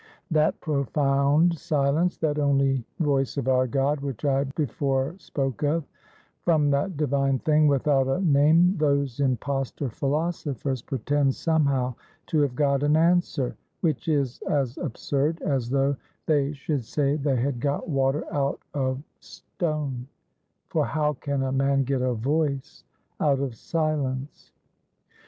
That profound Silence, that only Voice of our God, which I before spoke of; from that divine thing without a name, those impostor philosophers pretend somehow to have got an answer; which is as absurd, as though they should say they had got water out of stone; for how can a man get a Voice out of Silence?